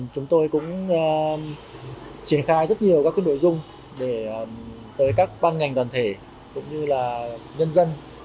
chúng tôi cũng triển khai rất nhiều các nội dung tới các ban ngành đoàn thể cũng như là nhân dân